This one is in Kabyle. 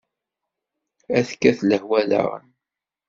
Ad tekkat lehwa daɣen!